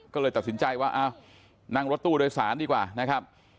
ก็เลยตัดสินใจว่านั่งรถตู้โดยสารดีกว่านะครับ